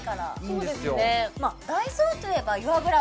そうですね